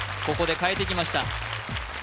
ここで変えてきました